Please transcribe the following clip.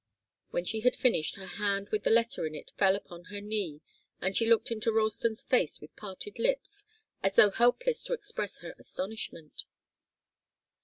When she had finished, her hand with the letter in it fell upon her knee and she looked into Ralston's face with parted lips, as though helpless to express her astonishment.